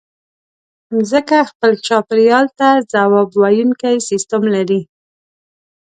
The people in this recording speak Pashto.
مځکه خپل چاپېریال ته ځواب ویونکی سیستم لري.